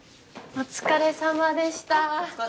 お疲れさまでした。